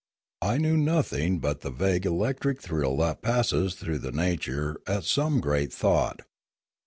I knew nothing but the vague electric thrill that passes through the nature at some great thought.